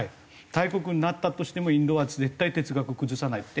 大国になったとしてもインドは絶対哲学を崩さない。